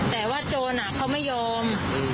แต่ว่าโจรเขาไม่ยอม